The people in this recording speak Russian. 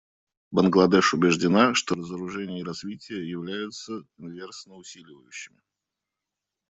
Бангладеш убеждена, что разоружение и развитие являются инверсно усиливающими.